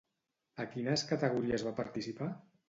A quines categories va participar?